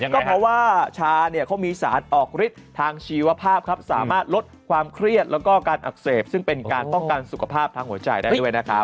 ก็เพราะว่าชาเนี่ยเขามีสารออกฤทธิ์ทางชีวภาพครับสามารถลดความเครียดแล้วก็การอักเสบซึ่งเป็นการป้องกันสุขภาพทางหัวใจได้ด้วยนะครับ